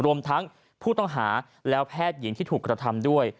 รวมทั้งผู้ต้องหาแล้วแพทย์หญิงที่ถูกกระทำด้วย